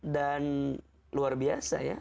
dan luar biasa ya